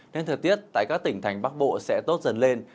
nên thời tiết tại các tỉnh thành bắc bộ sẽ tốt dần lên